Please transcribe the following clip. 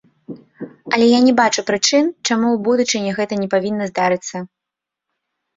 Але я не бачу прычын, чаму ў будучыні гэтага не павінна здарыцца.